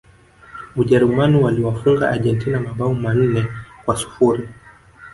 Ujerumani waliwafunga Argentina mabao manne kwa sifuri